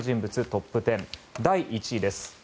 トップ１０第１位です。